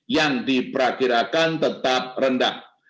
yang diperkirakan tetap rendah